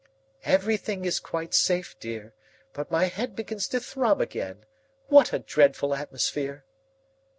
"Everything is quite safe, dear. But my head begins to throb again. What a dreadful atmosphere!"